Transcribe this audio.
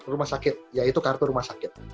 rumah sakit yaitu kartu rumah sakit